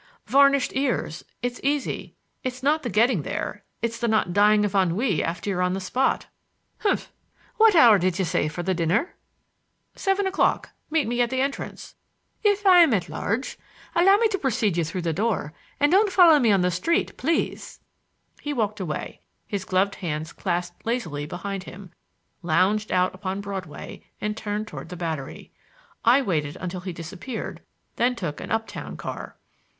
"Varnished ears. It's easy. It's not the getting there; it's the not dying of ennui after you're on the spot." "Humph! What hour did you say for the dinner?" "Seven o'clock. Meet me at the entrance." "If I'm at large! Allow me to precede you through the door, and don't follow me on the street please!" He walked away, his gloved hands clasped lazily behind him, lounged out upon Broadway and turned toward the Battery. I waited until he disappeared, then took an up town car.